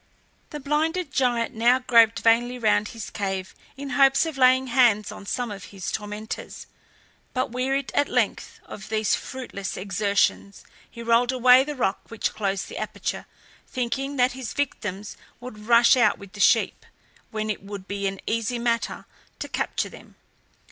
The blinded giant now groped vainly round his cave in hopes of laying hands on some of his tormentors; but wearied at length of these fruitless exertions he rolled away the rock which closed the aperture, thinking that his victims would rush out with the sheep, when it would be an easy matter to capture them.